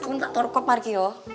enggak teruk kok pergi oh